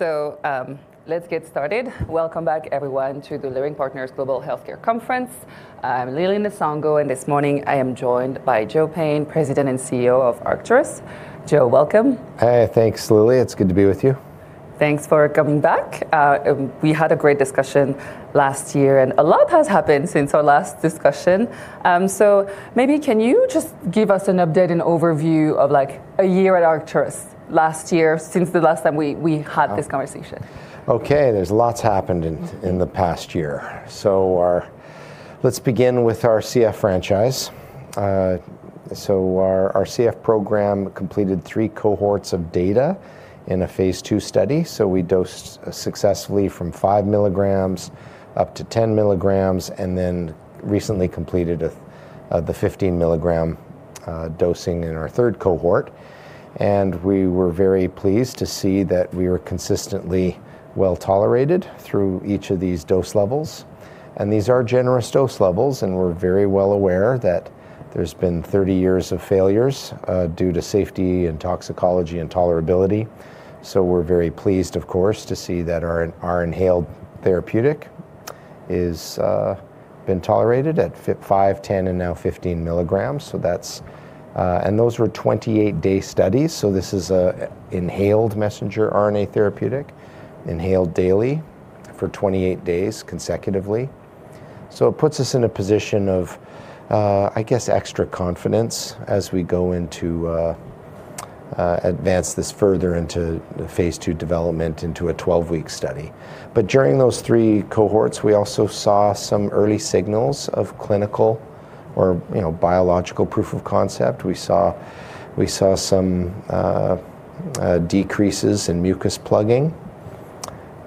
All right. Let's get started. Welcome back everyone to the Leerink Partners Global Healthcare Conference. I'm Lili Nsongo, and this morning I am joined by Joe Payne, President and CEO of Arcturus. Joe, welcome. Hey, thanks Lili. It's good to be with you. Thanks for coming back. We had a great discussion last year, and a lot has happened since our last discussion. Maybe you can just give us an update and overview of, like, a year at Arcturus last year since the last time we had this conversation? Okay. There's lots happened in the past year. Let's begin with our CF franchise. Our CF program completed three cohorts of data in a phase II study. We dosed successfully from 5 mg up to 10 mg, and then recently completed the 15 mg dosing in our third cohort. We were very pleased to see that we were consistently well-tolerated through each of these dose levels, and these are generous dose levels. We're very well aware that there's been 30 years of failures due to safety and toxicology and tolerability, so we're very pleased of course to see that our inhaled therapeutic it's been tolerated at 5 mg, 10 mg, and now 15 milligrams. That's. Those were 28-day studies, so this is an inhaled messenger RNA therapeutic inhaled daily for 28 days consecutively. It puts us in a position of, I guess, extra confidence as we go into advance this further into the phase II development into a 12-week study. During those three cohorts, we also saw some early signals of clinical or, you know, biological proof of concept. We saw some decreases in mucus plugging,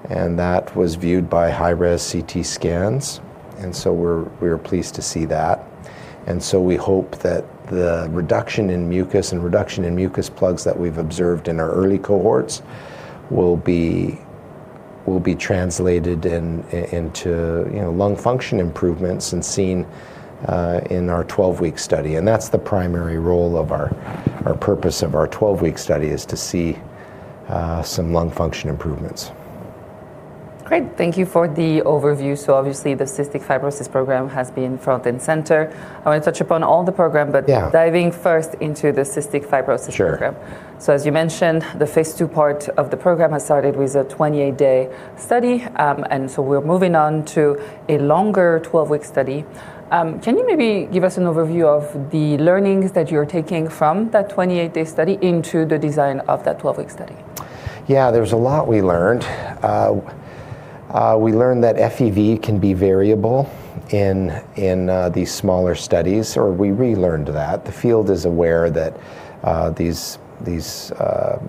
and that was viewed by high-res CT scans, and so we were pleased to see that. We hope that the reduction in mucus and reduction in mucus plugs that we've observed in our early cohorts will be translated into, you know, lung function improvements and seen in our 12-week study, and that's the primary role of our purpose of our 12-week study is to see some lung function improvements. Great. Thank you for the overview. Obviously, the cystic fibrosis program has been front and center. I won't touch upon all the program. Yeah. Diving first into the cystic fibrosis program. Sure. As you mentioned, the phase II part of the program has started with a 28-day study, and so we're moving on to a longer 12-week study. Can you maybe give us an overview of the learnings that you're taking from that 28-day study into the design of that 12-week study? Yeah. There's a lot we learned. We learned that FEV can be variable in these smaller studies, or we relearned that. The field is aware that these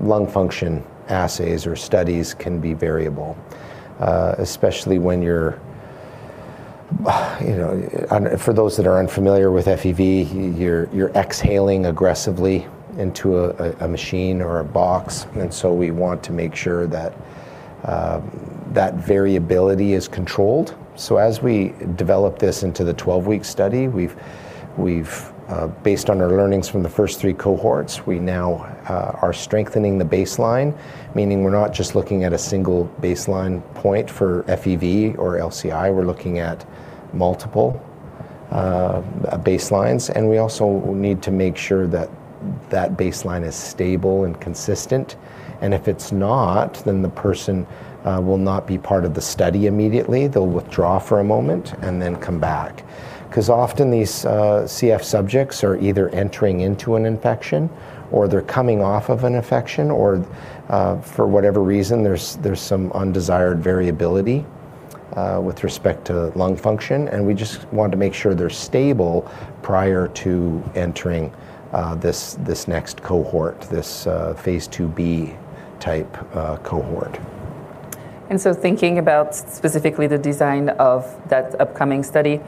lung function assays or studies can be variable. For those that are unfamiliar with FEV, you're exhaling aggressively into a machine or a box, and so we want to make sure that that variability is controlled. As we develop this into the 12-week study, based on our learnings from the first three cohorts, we now are strengthening the baseline, meaning we're not just looking at a single baseline point for FEV or LCI, we're looking at multiple baselines. We also need to make sure that that baseline is stable and consistent, and if it's not, then the person will not be part of the study immediately. They'll withdraw for a moment and then come back. 'Cause often these CF subjects are either entering into an infection or they're coming off of an infection, or for whatever reason, there's some undesired variability with respect to lung function, and we just want to make sure they're stable prior to entering this next cohort, this phase IIb type cohort. Thinking about specifically the design of that upcoming study,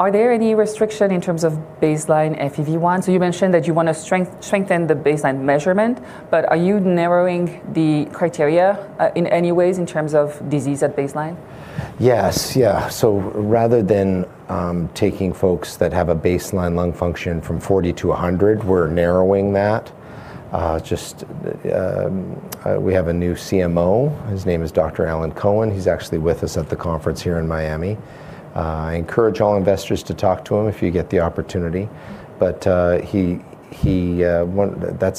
are there any restriction in terms of baseline FEV1? You mentioned that you want to strengthen the baseline measurement, but are you narrowing the criteria, in any ways in terms of disease at baseline? Yes. Yeah. Rather than taking folks that have a baseline lung function from 40 to 100, we're narrowing that. We have a new CMO. His name is Dr. Alan Cohen. He's actually with us at the conference here in Miami. I encourage all investors to talk to him if you get the opportunity. That's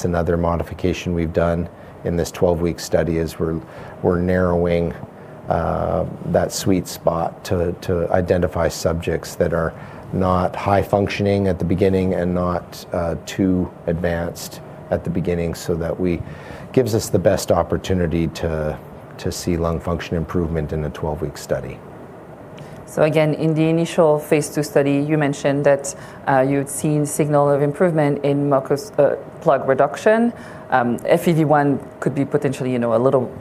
another modification we've done in this 12-week study is we're narrowing that sweet spot to identify subjects that are not high functioning at the beginning and not too advanced at the beginning so that we gives us the best opportunity to see lung function improvement in a 12-week study. Again, in the initial phase II study, you mentioned that you'd seen signal of improvement in mucus plug reduction. FEV1 could be potentially, you know, a little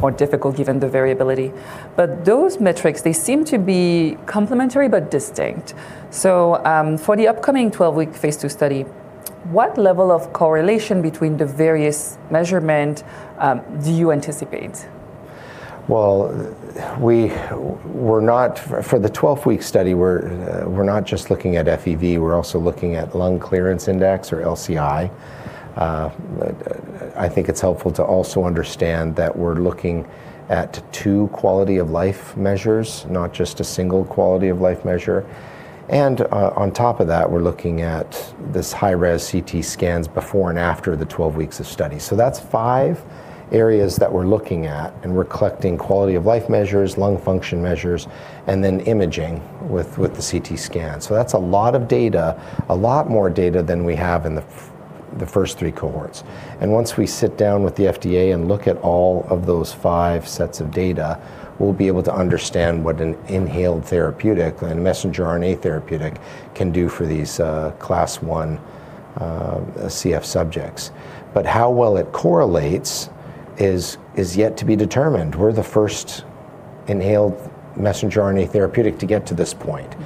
more difficult given the variability. Those metrics, they seem to be complementary but distinct. For the upcoming 12-week phase II study, what level of correlation between the various measurement do you anticipate? For the 12-week study, we're not just looking at FEV, we're also looking at lung clearance index or LCI. I think it's helpful to also understand that we're looking at two quality-of-life measures, not just a single quality-of-life measure. On top of that, we're looking at this high-res CT scans before and after the 12 weeks of study. That's five areas that we're looking at, and we're collecting quality-of-life measures, lung function measures, and then imaging with the CT scan. That's a lot of data, a lot more data than we have in the first three cohorts. Once we sit down with the FDA and look at all of those five sets of data, we'll be able to understand what an inhaled therapeutic and messenger RNA therapeutic can do for these Class 1 CF subjects. How well it correlates is yet to be determined. We're the first inhaled messenger RNA therapeutic to get to this point.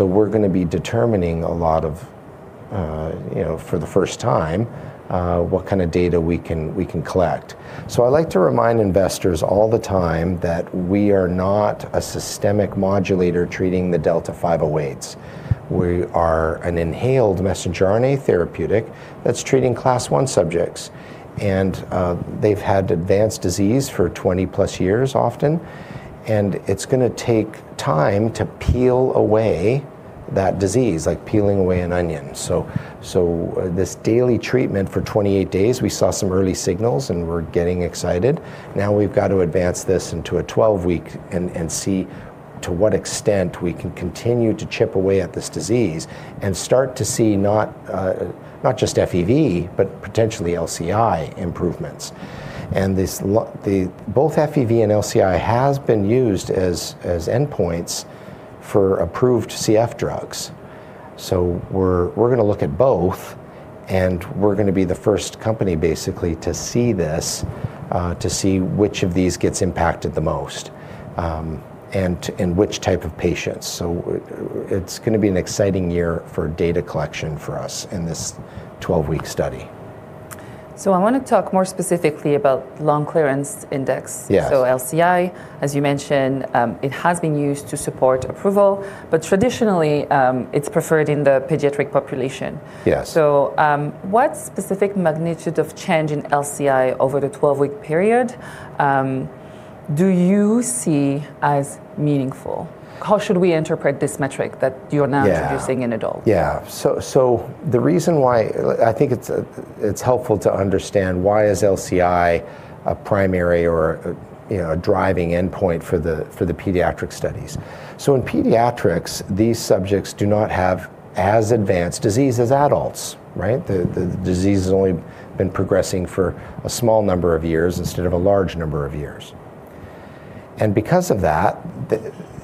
We're gonna be determining a lot of you know, for the first time, what kind of data we can collect. I like to remind investors all the time that we are not a systemic modulator treating the delta F508. We are an inhaled messenger RNA therapeutic that's treating Class 1 subjects, and they've had advanced disease for 20+ years often, and it's gonna take time to peel away that disease, like peeling away an onion. This daily treatment for 28 days, we saw some early signals, and we're getting excited. Now we've got to advance this into a 12-week and see to what extent we can continue to chip away at this disease and start to see not just FEV, but potentially LCI improvements. Both FEV and LCI has been used as endpoints for approved CF drugs. We're gonna look at both, and we're gonna be the first company basically to see this, to see which of these gets impacted the most and in which type of patients. It's gonna be an exciting year for data collection for us in this 12-week study. I wanna talk more specifically about lung clearance index. Yes. LCI, as you mentioned, it has been used to support approval, but traditionally, it's preferred in the pediatric population. Yes. What specific magnitude of change in LCI over the 12-week period do you see as meaningful? How should we interpret this metric that you're now- Yeah. ...introducing in adults? The reason why I think it's helpful to understand why LCI is a primary or, you know, a driving endpoint for the pediatric studies. In pediatrics, these subjects do not have as advanced disease as adults, right? The disease has only been progressing for a small number of years instead of a large number of years. Because of that,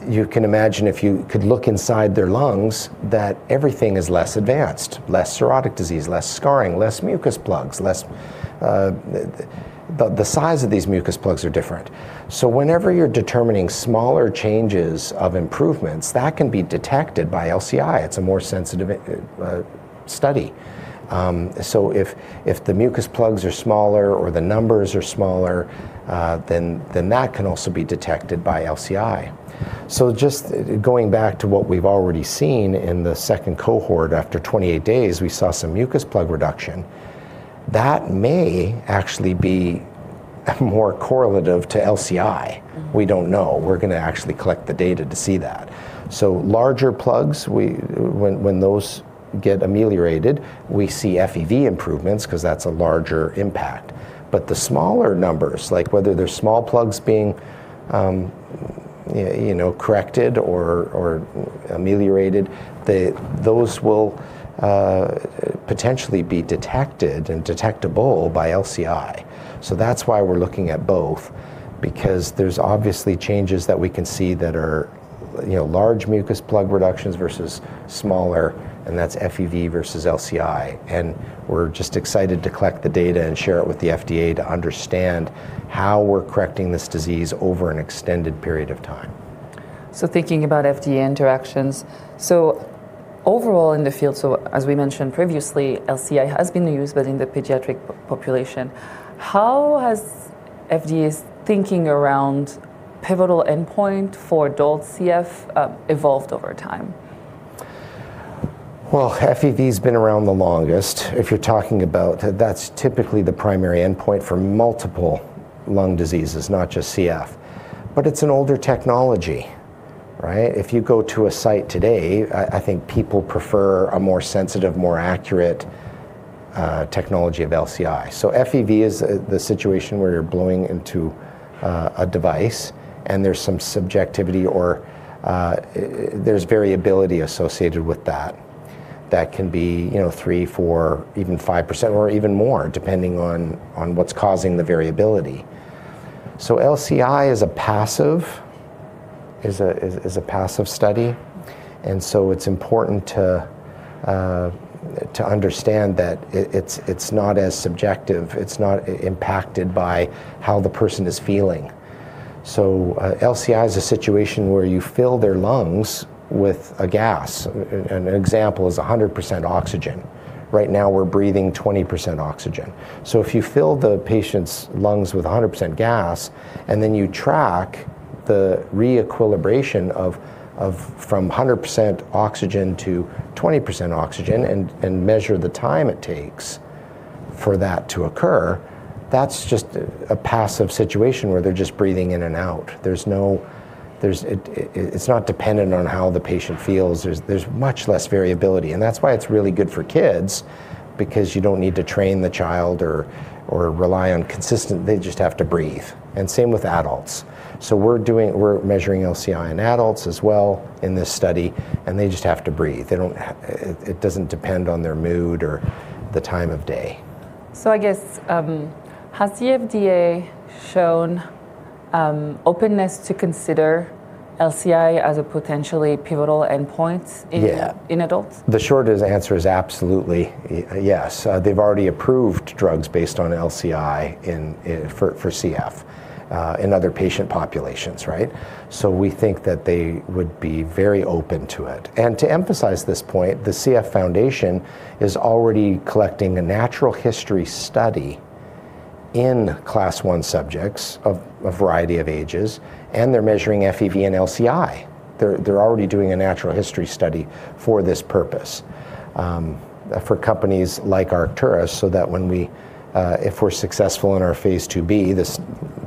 you can imagine if you could look inside their lungs, that everything is less advanced, less cirrhotic disease, less scarring, less mucus plugs, less. The size of these mucus plugs are different. Whenever you're determining smaller changes of improvements, that can be detected by LCI. It's a more sensitive study. If the mucus plugs are smaller or the numbers are smaller, then that can also be detected by LCI. Just going back to what we've already seen in the second cohort after 28 days, we saw some mucus plug reduction. That may actually be more correlative to LCI. We don't know. We're gonna actually collect the data to see that. Larger plugs. When those get ameliorated, we see FEV improvements because that's a larger impact. The smaller numbers, like whether they're small plugs being, you know, corrected or ameliorated, those will potentially be detected and detectable by LCI. That's why we're looking at both, because there's obviously changes that we can see that are, you know, large mucus plug reductions versus smaller, and that's FEV versus LCI. We're just excited to collect the data and share it with the FDA to understand how we're correcting this disease over an extended period of time. Thinking about FDA interactions, overall in the field, as we mentioned previously, LCI has been used within the pediatric population. How has FDA's thinking around pivotal endpoint for adult CF evolved over time? Well, FEV's been around the longest. If you're talking about, that's typically the primary endpoint for multiple lung diseases, not just CF. It's an older technology, right? If you go to a site today, I think people prefer a more sensitive, more accurate, technology of LCI. FEV is the situation where you're blowing into a device and there's some subjectivity or there's variability associated with that. That can be, you know, 3, 4, even 5% or even more, depending on what's causing the variability. LCI is a passive study, and it's important to understand that it's not as subjective, it's not impacted by how the person is feeling. LCI is a situation where you fill their lungs with a gas. An example is 100% oxygen. Right now, we're breathing 20% oxygen. If you fill the patient's lungs with 100% gas and then you track the re-equilibration of from 100% oxygen to 20% oxygen and measure the time it takes for that to occur, that's just a passive situation where they're just breathing in and out. It's not dependent on how the patient feels. There's much less variability, and that's why it's really good for kids because you don't need to train the child or rely on consistent. They just have to breathe, and same with adults. We're measuring LCI in adults as well in this study, and they just have to breathe. It doesn't depend on their mood or the time of day. I guess, has the FDA shown openness to consider LCI as a potentially pivotal endpoint in- Yeah. ...in adults? The short answer is absolutely yes. They've already approved drugs based on LCI for CF in other patient populations, right? We think that they would be very open to it. To emphasize this point, the CF Foundation is already collecting a natural history study in Class 1 subjects of a variety of ages, and they're measuring FEV and LCI. They're already doing a natural history study for this purpose for companies like Arcturus so that if we're successful in our phase IIb,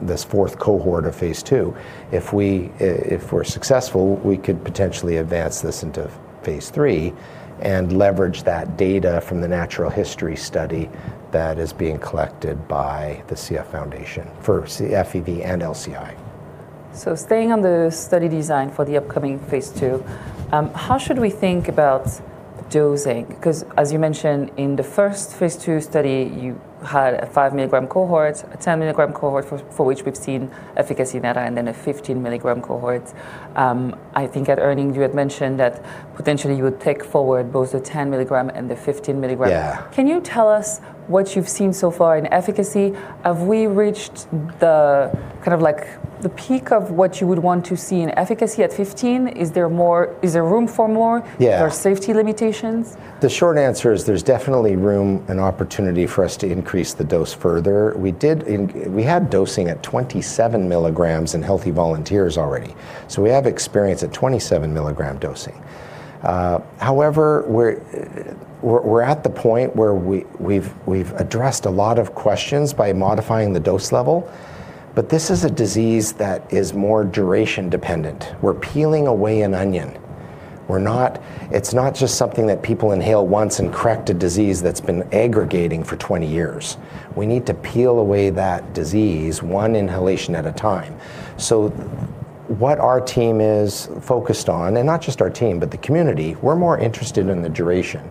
this fourth cohort of phase II, if we're successful, we could potentially advance this into phase III and leverage that data from the natural history study that is being collected by the CF Foundation for CF, FEV, and LCI. Staying on the study design for the upcoming phase II, how should we think about dosing? 'Cause as you mentioned, in the first phase II study, you had a 5-mg cohort, a 10-mg cohort for which we've seen efficacy data, and then a 15-mg cohort. I think at earnings you had mentioned that potentially you would take forward both the 10 mg and the 15 mg. Yeah. Can you tell us what you've seen so far in efficacy? Have we reached the kind of like the peak of what you would want to see in efficacy at 15N? Is there room for more? Yeah. There are safety limitations? The short answer is there's definitely room and opportunity for us to increase the dose further. We had dosing at 27 mg in healthy volunteers already. We have experience at 27 mg dosing. However, we're at the point where we've addressed a lot of questions by modifying the dose level. This is a disease that is more duration dependent. We're peeling away an onion. It's not just something that people inhale once and correct a disease that's been aggregating for 20 years. We need to peel away that disease one inhalation at a time. What our team is focused on, and not just our team, but the community, we're more interested in the duration.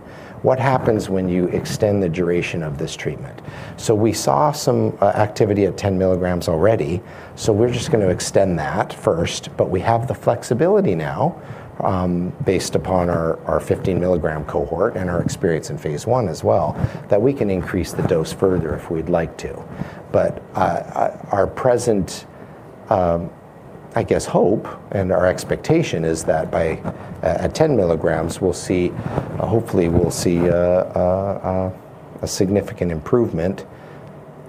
What happens when you extend the duration of this treatment? We saw some activity at 10 mg already, so we're just gonna extend that first. We have the flexibility now, based upon our N-15-mg cohort and our experience in phase I as well, that we can increase the dose further if we'd like to. Our present, I guess, hope and our expectation is that by at 10 mg, hopefully we'll see a significant improvement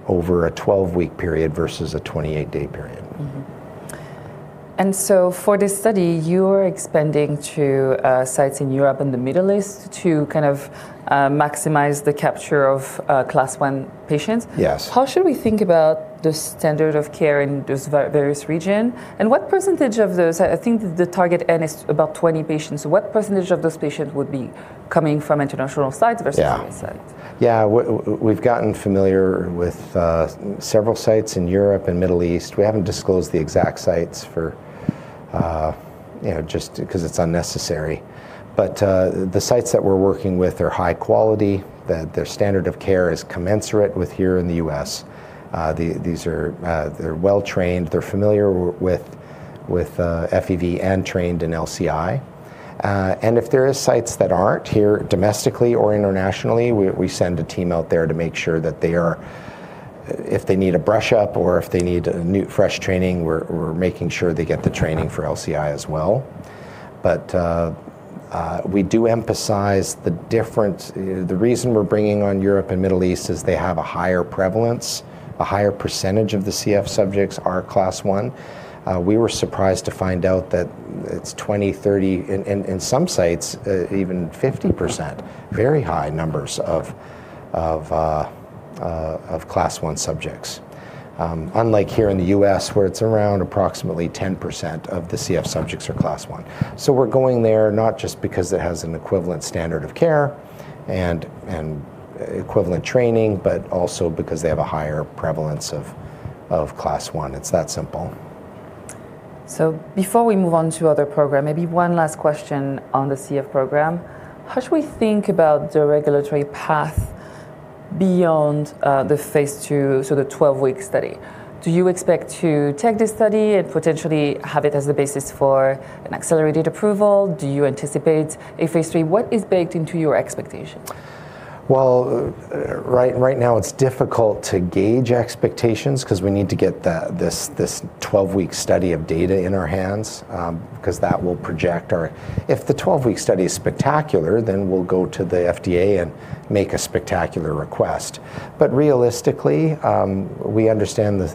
over a 12-week period versus a 28-day period. Mm-hmm. For this study, you're expanding to sites in Europe and the Middle East to kind of maximize the capture of Class 1 patients. Yes. How should we think about the standard of care in this various region? What percentage of those, I think the target end is about 20 patients. What percentage of those patients would be coming from international sites versus- Yeah.... U.S. sites? Yeah. We've gotten familiar with several sites in Europe and Middle East. We haven't disclosed the exact sites for you know, just 'cause it's unnecessary. The sites that we're working with are high quality, that their standard of care is commensurate with here in the U.S. These are well-trained, they're familiar with FEV and trained in LCI. If there is sites that aren't here domestically or internationally, we send a team out there to make sure that they are, if they need a brush-up or if they need a new, fresh training, we're making sure they get the training for LCI as well. We do emphasize the difference. The reason we're bringing on Europe and Middle East is they have a higher prevalence. A higher percentage of the CF subjects are Class 1. We were surprised to find out that it's 20, 30, in some sites, even 50%, very high numbers of Class 1 subjects. Unlike here in the U.S., where it's around approximately 10% of the CF subjects are Class 1. We're going there not just because it has an equivalent standard of care and equivalent training, but also because they have a higher prevalence of Class 1. It's that simple. Before we move on to other program, maybe one last question on the CF program. How should we think about the regulatory path beyond, the phase II, so the 12-week study? Do you expect to take this study and potentially have it as the basis for an accelerated approval? Do you anticipate a phase III? What is baked into your expectations? Right now it's difficult to gauge expectations 'cause we need to get this 12-week study data in our hands, 'cause that will project our. If the 12-week study is spectacular, we'll go to the FDA and make a spectacular request, but realistically, we understand the.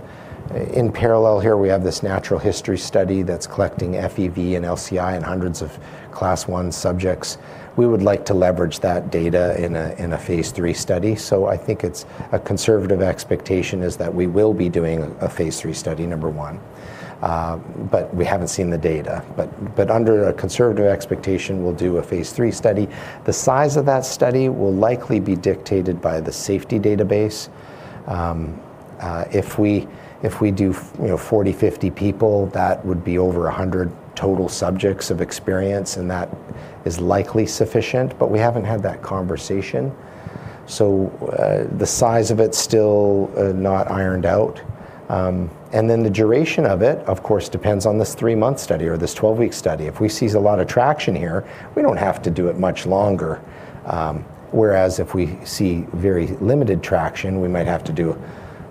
In parallel here, we have this natural history study that's collecting FEV and LCI in hundreds of Class 1 subjects. We would like to leverage that data in a phase III study, so I think it's a conservative expectation is that we will be doing a phase III study, number one, but we haven't seen the data. Under a conservative expectation, we'll do a phase III study. The size of that study will likely be dictated by the safety database. If we do 40, 50 people, that would be over 100 total subjects or experience, and that is likely sufficient, but we haven't had that conversation, so the size of it's still not ironed out. The duration of it, of course, depends on this 3-month study or this 12-week study. If we see a lot of traction here, we don't have to do it much longer, whereas if we see very limited traction, we might have to do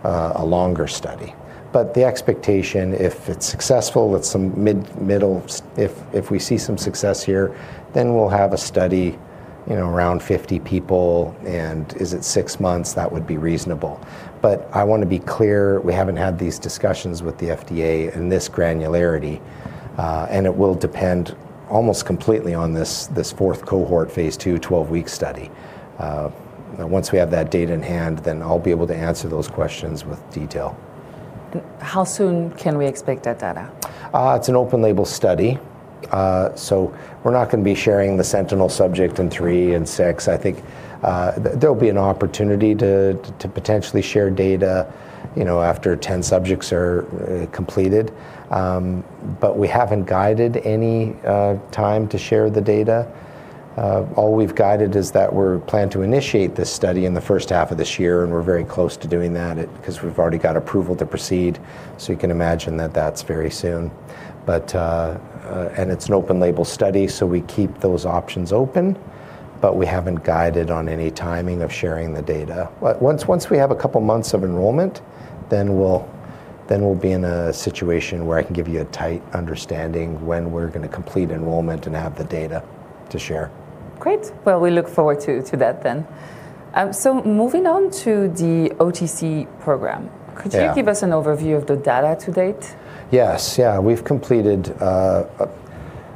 a longer study. The expectation, if it's successful, if we see some success here, then we'll have a study, you know, around 50 people, and is it 6 months? That would be reasonable. I wanna be clear, we haven't had these discussions with the FDA in this granularity, and it will depend almost completely on this fourth cohort phase II 12-week study. Once we have that data in hand, then I'll be able to answer those questions with detail. How soon can we expect that data? It's an open label study, so we're not gonna be sharing the sentinel subject in 3 and 6. I think, there'll be an opportunity to potentially share data, you know, after 10 subjects are completed. We haven't guided any time to share the data. All we've guided is that we're planning to initiate this study in the first half of this year, and we're very close to doing that 'cause we've already got approval to proceed, so you can imagine that that's very soon. It's an open label study, so we keep those options open, but we haven't guided on any timing of sharing the data. Once we have a couple months of enrollment, then we'll be in a situation where I can give you a tight understanding when we're gonna complete enrollment and have the data to share. Great. Well, we look forward to that, then. Moving on to the OTC program. Yeah. Could you give us an overview of the data to date? Yes. Yeah.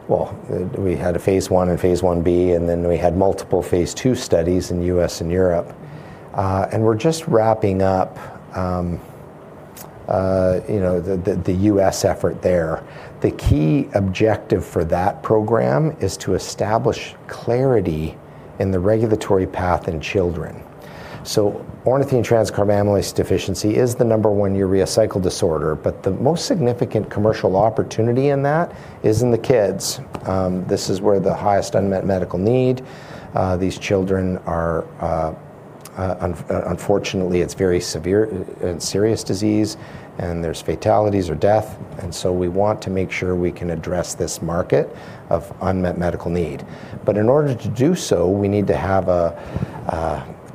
Well, we had a phase I and phase Ib, and then we had multiple phase II studies in the U.S. and Europe. We're just wrapping up, you know, the U.S. effort there. The key objective for that program is to establish clarity in the regulatory path in children. Ornithine transcarbamylase deficiency is the number one urea cycle disorder, but the most significant commercial opportunity in that is in the kids. This is where the highest unmet medical need. These children are, unfortunately, it's very severe and serious disease, and there's fatalities or death, and we want to make sure we can address this market of unmet medical need. In order to do so, we need to have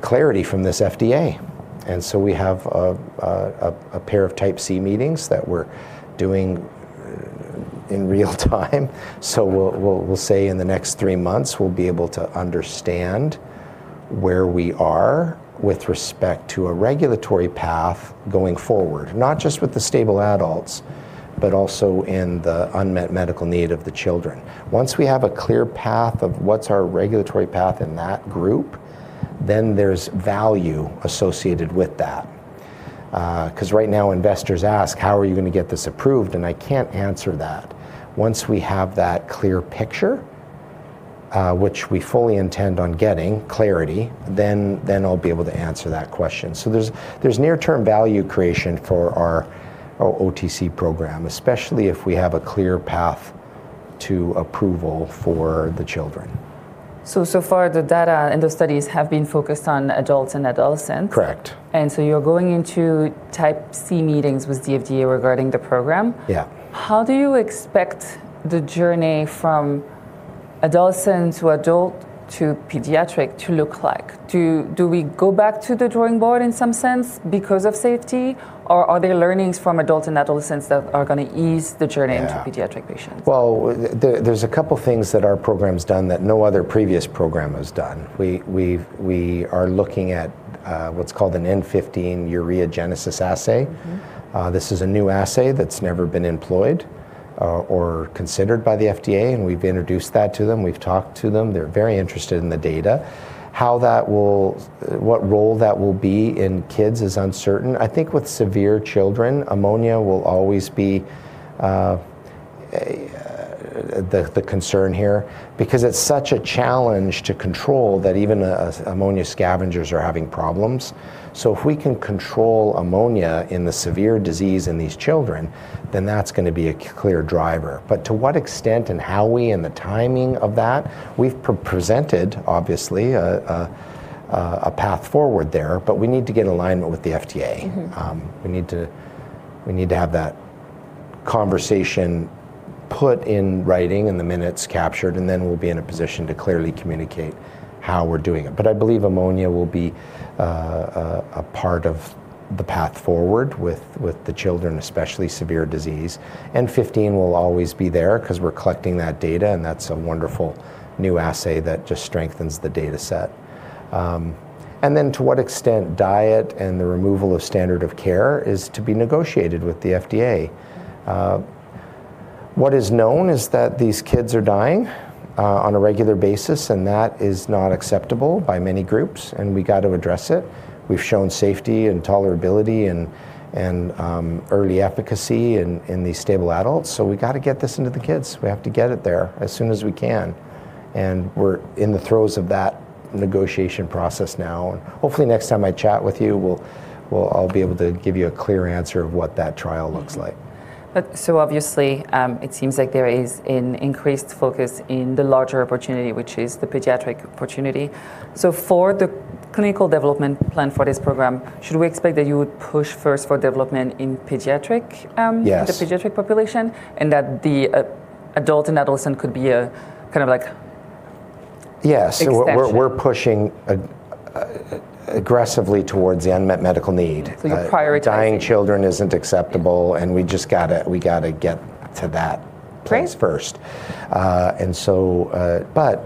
clarity from the FDA, and so we have a pair of Type C meetings that we're doing in real time. We'll say in the next three months we'll be able to understand where we are with respect to a regulatory path going forward, not just with the stable adults, but also in the unmet medical need of the children. Once we have a clear path of what's our regulatory path in that group, then there's value associated with that. 'Cause right now investors ask, "How are you gonna get this approved?" I can't answer that. Once we have that clear picture, which we fully intend on getting clarity, then I'll be able to answer that question. There's near-term value creation for our OTC program, especially if we have a clear path to approval for the children. So far the data and the studies have been focused on adults and adolescents. Correct. You're going into Type C meetings with the FDA regarding the program. Yeah. How do you expect the journey from adolescent to adult to pediatric to look like? Do we go back to the drawing board in some sense because of safety, or are there learnings from adult and adolescents that are gonna ease the journey?- Yeah. ...into pediatric patients? Well, there's a couple things that our program's done that no other previous program has done. We are looking at what's called an 15N ureagenesis assay. Mm-hmm. This is a new assay that's never been employed or considered by the FDA, and we've introduced that to them. We've talked to them. They're very interested in the data. What role that will be in kids is uncertain. I think with severe children, ammonia will always be the concern here because it's such a challenge to control, that even ammonia scavengers are having problems. If we can control ammonia in the severe disease in these children, then that's gonna be a clear driver. To what extent and how we and the timing of that, we've presented, obviously, a path forward there, but we need to get alignment with the FDA. Mm-hmm. We need to have that conversation put in writing and the minutes captured, and then we'll be in a position to clearly communicate how we're doing it. I believe ammonia will be a part of the path forward with the children, especially severe disease, and 15N will always be there 'cause we're collecting that data, and that's a wonderful new assay that just strengthens the data set. To what extent diet and the removal of standard of care is to be negotiated with the FDA. What is known is that these kids are dying on a regular basis, and that is not acceptable by many groups, and we got to address it. We've shown safety and tolerability and early efficacy in the stable adults, so we gotta get this into the kids. We have to get it there as soon as we can, and we're in the throes of that negotiation process now. Hopefully, next time I chat with you, I'll be able to give you a clear answer of what that trial looks like. Obviously, it seems like there is an increased focus in the larger opportunity, which is the pediatric opportunity. For the clinical development plan for this program, should we expect that you would push first for development in pediatric?- Yes. ...the pediatric population, and that the adult and adolescent could be a kind of like- Yeah. ...extension We're pushing aggressively towards the unmet medical need. You're prioritizing. Dying children isn't acceptable, and we just gotta get to that place first. Great.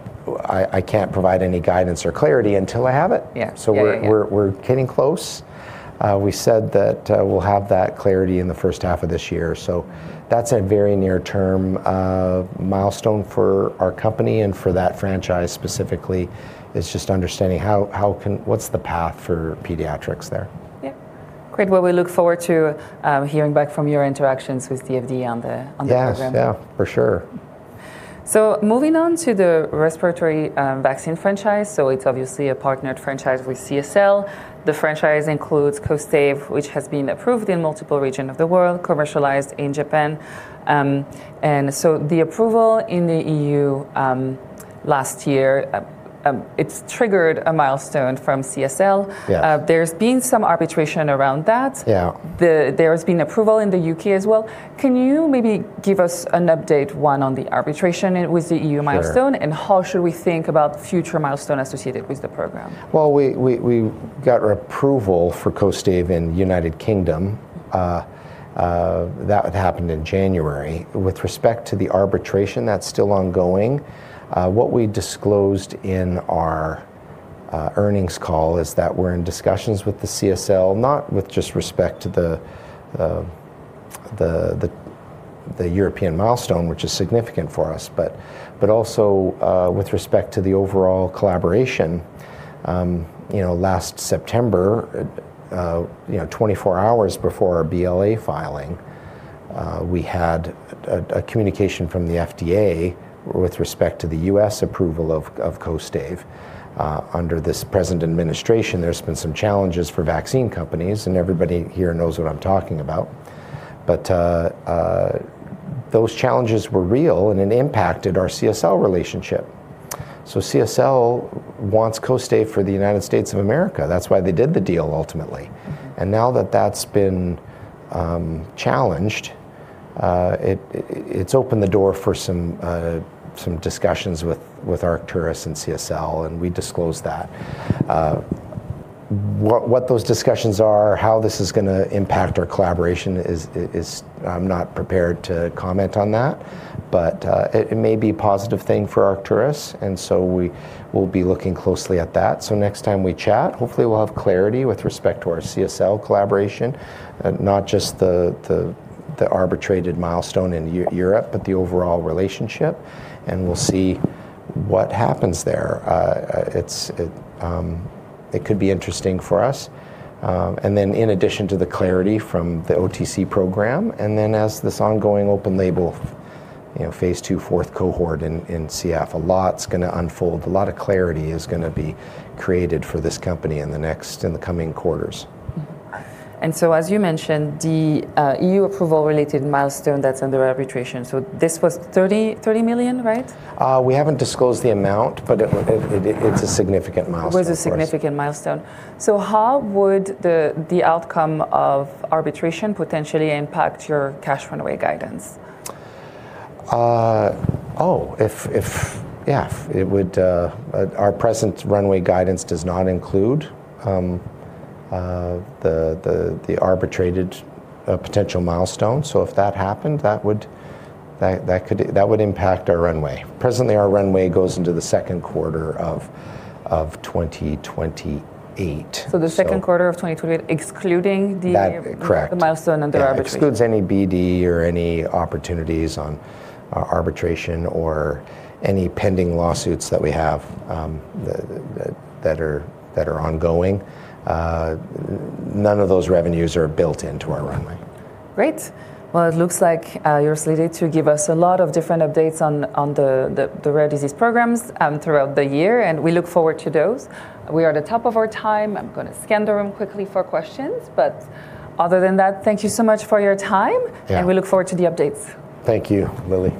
I can't provide any guidance or clarity until I have it. Yeah. We're getting close. We said that we'll have that clarity in the first half of this year, so that's a very near-term milestone for our company and for that franchise specifically. It's just understanding what's the path for pediatrics there? Yeah. Great. Well, we look forward to hearing back from your interactions with the FDA on the program. Yes. Yeah. For sure. Moving on to the respiratory vaccine franchise, it's obviously a partnered franchise with CSL. The franchise includes KOSTAIVE, which has been approved in multiple regions of the world, commercialized in Japan, and so the approval in the EU last year, it's triggered a milestone from CSL. Yes. There's been some arbitration around that. Yeah. There's been approval in the U.K. as well. Can you maybe give us an update, one, on the arbitration with the EU milestone. Sure. How should we think about future milestone associated with the program? Well, we got our approval for KOSTAIVE in United Kingdom, that happened in January. With respect to the arbitration, that's still ongoing. What we disclosed in our earnings call is that we're in discussions with the CSL, not just with respect to the European milestone, which is significant for us, but also with respect to the overall collaboration. You know, last September, 24 hours before our BLA filing, we had a communication from the FDA with respect to the U.S. approval of KOSTAIVE. Under this present administration, there's been some challenges for vaccine companies, and everybody here knows what I'm talking about. Those challenges were real, and it impacted our CSL relationship. CSL wants KOSTAIVE for the United States of America. That's why they did the deal ultimately. Now that that's been challenged, it's opened the door for some discussions with Arcturus and CSL, and we disclosed that. What those discussions are, how this is gonna impact our collaboration is. I'm not prepared to comment on that. It may be a positive thing for Arcturus, and so we will be looking closely at that. Next time we chat, hopefully we'll have clarity with respect to our CSL collaboration, not just the arbitrated milestone in Europe, and we'll see what happens there. It could be interesting for us. In addition to the clarity from the OTC program, and then as this ongoing open-label, you know, phase II fourth cohort in CF, a lot's gonna unfold. A lot of clarity is gonna be created for this company in the coming quarters. Mm-hmm. As you mentioned, the EU approval-related milestone that's under arbitration, so this was $30 million, right? We haven't disclosed the amount, but it's a significant milestone for us. Was a significant milestone. How would the outcome of arbitration potentially impact your cash runway guidance? Our present runway guidance does not include the anticipated potential milestone. If that happened, that would impact our runway. Presently, our runway goes into the second quarter of 2028. The second quarter of 2028, excluding the- Correct. ...the milestone under arbitration. Yeah. Excludes any BD or any opportunities on arbitration or any pending lawsuits that we have, that are ongoing. None of those revenues are built into our runway. Great. Well, it looks like you're slated to give us a lot of different updates on the rare disease programs throughout the year, and we look forward to those. We are at the top of our time. I'm gonna scan the room quickly for questions. Other than that, thank you so much for your time. Yeah. We look forward to the updates. Thank you, Lili.